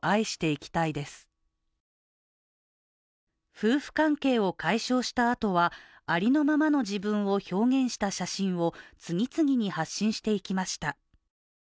夫婦関係を解消したあとはありのままの自分を表現した写真を次々に発信していきました。